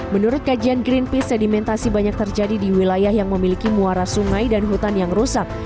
menurut kajian greenpeace sedimentasi banyak terjadi di wilayah yang memiliki muara sungai dan hutan yang rusak